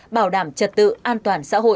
bảo đảm trật tự an toàn xã hội